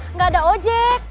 enggak ada ojek